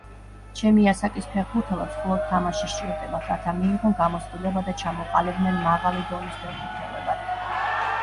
ჩემი ასაკის ფეხბურთელებს მხოლოდ თამაში სჭირდებათ, რათა მიიღონ გამოცდილება და ჩამოყალიბდნენ მაღალი დონის ფეხბურთელებად.